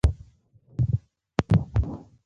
په دې سیمه کې ښوونځی ډېر اړین دی